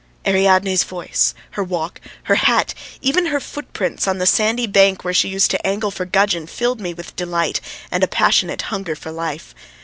Ariadne's voice, her walk, her hat, even her footprints on the sandy bank where she used to angle for gudgeon, filled me with delight and a passionate hunger for life.